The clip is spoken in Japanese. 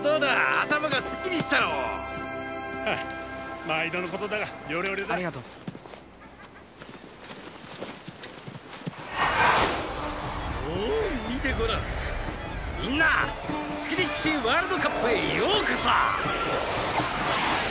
頭がすっきりしたろ毎度のことだがヨレヨレだありがとうおおっ見てごらんみんなクィディッチ・ワールドカップへようこそ！